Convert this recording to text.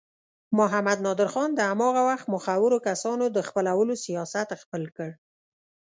محمد نادر خان د هماغه وخت مخورو کسانو د خپلولو سیاست خپل کړ.